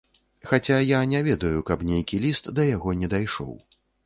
Хаця я не ведаю, каб нейкі ліст да яго не дайшоў.